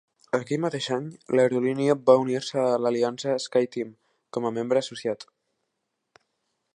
Aquell mateix any, l'aerolínia va unir-se a l'aliança SkyTeam com a membre associat.